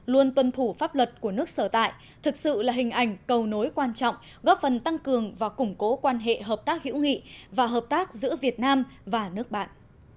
luôn tuân thủ pháp luật của nước sở tại thực sự là hình ảnh cầu nối quan trọng góp phần tăng cường và củng cố quan hệ hợp tác hữu nghị và hợp tác giữa việt nam và nước bạn